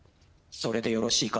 それでよろしいか？